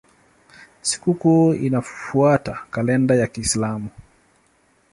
Sikukuu inafuata kalenda ya Kiislamu.